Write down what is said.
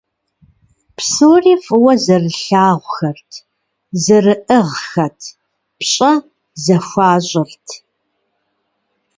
Псори фӀыуэ зэрылъагъухэрт, зэрыӀыгъхэт, пщӀэ зэхуащӀырт.